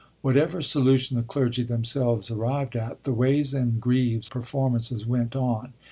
Whatever solution the clergy themselves arrived at, the * ways and greaves * performances went on.